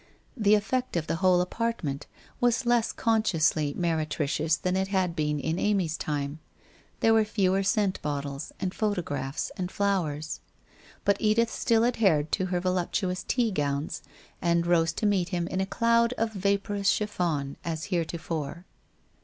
The effect of the whole apartment was less consciously meretricious than it had been in Amy's time. There were fewer scent bottles, and photographs, and flowers; but Edith still adhered to her voluptuous tea gowns, and rose to meet him in a cloud of vaporous chiffon as heretofore.